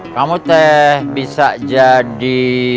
kamu teh bisa jadi